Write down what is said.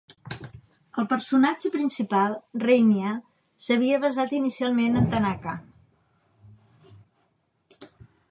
El personatge principal, Reinya, s'havia basat inicialment en Tanaka.